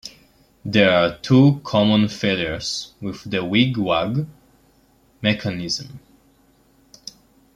There are two common failures with the wig-wag mechanism.